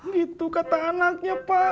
gitu kata anaknya pak